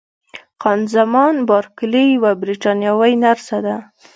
خان زمان بارکلي یوه بریتانوۍ نرسه ده.